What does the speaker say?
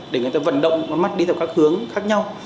để người ta vận động nó mắt đi theo các hướng khác nhau